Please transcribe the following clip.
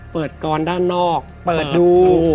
เปิดกรอนด้านนอกเปิดดู